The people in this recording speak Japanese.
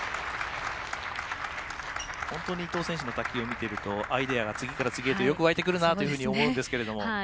本当に伊藤選手の卓球を見ているとアイデアが次から次へとよく湧いてくるなというふうに思うんですが。